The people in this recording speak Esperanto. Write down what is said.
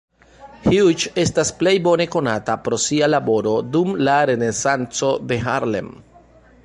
Hughes estas plej bone konata pro sia laboro dum la Renesanco de Harlem.